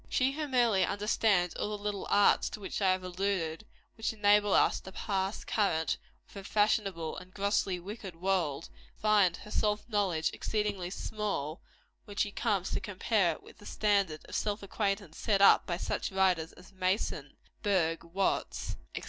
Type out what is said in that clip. She who merely understands all the little arts to which I have alluded, which enable us to pass current with a fashionable and grossly wicked world, will find her self knowledge exceedingly small, when she comes to compare it with the standard of self acquaintance set up by such writers as Mason, Burgh, Watts, &c.